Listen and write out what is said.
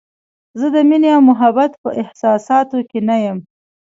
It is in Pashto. زه د مینې او محبت په احساساتو کې نه یم.